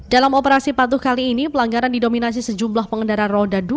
dalam operasi patuh kali ini pelanggaran didominasi sejumlah pengendara roda dua